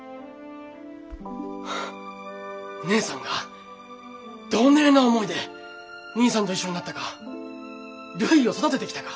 ハッ義姉さんがどねえな思いで兄さんと一緒になったかるいを育ててきたか。